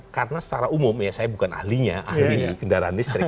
karena secara umum ya saya bukan ahlinya ahli kendaraan listrik